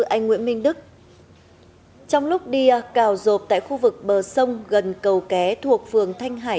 anh nguyễn minh đức trong lúc đi cào rộp tại khu vực bờ sông gần cầu ké thuộc phường thanh hải